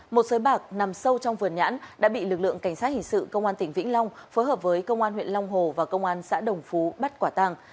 một sới bạc nằm sâu trong vườn nhãn đã bị lực lượng cảnh sát hình sự công an tỉnh vĩnh long phối hợp với công an huyện long hồ và công an xã đồng phú bắt quả tàng